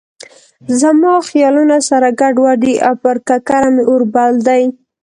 زما خیالونه سره ګډ وډ دي او پر ککره مې اور بل دی.